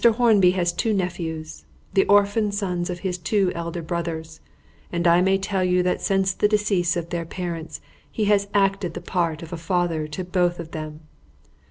Hornby has two nephews, the orphan sons of his two elder brothers, and I may tell you that since the decease of their parents he has acted the part of a father to both of them.